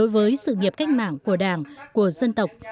với sự nghiệp cách mạng của đảng của dân tộc